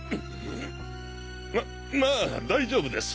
ままぁ大丈夫です。